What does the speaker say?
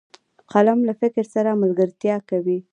قلم له فکر سره ملګرتیا کوي